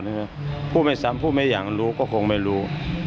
นึงฮะฟูไม่ทรัพย์ฟูไม่อยากรู้ก็คงไม่รู้